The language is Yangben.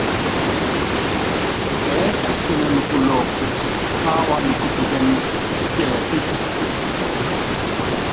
Ɛɛ́kɛsikɛnɛn kulɔpu káwú kéelúku tɛ pékukite.